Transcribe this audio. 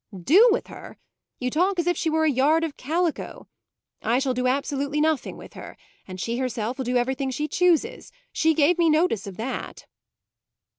"Do with her? You talk as if she were a yard of calico. I shall do absolutely nothing with her, and she herself will do everything she chooses. She gave me notice of that."